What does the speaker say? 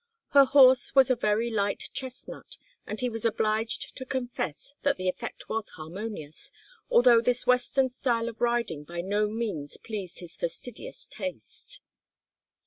Her horse was a very light chestnut, and he was obliged to confess that the effect was harmonious, although this Western style of riding by no means pleased his fastidious taste.